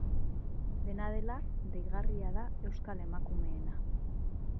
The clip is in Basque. Dena dela, deigarria da euskal emakumeena.